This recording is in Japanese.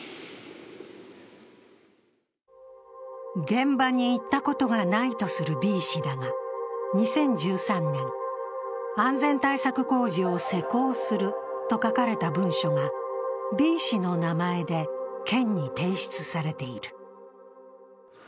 現場に行ったことがないとするＢ氏だが２０１３年、安全対策工事を施工すると書かれた文書がＢ氏の名前で県に提出されている。